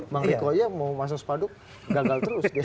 mang likoya mau masang spanduk gagal terus